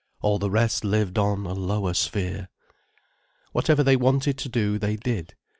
All the rest lived on a lower sphere. Whatever they wanted to do, they did.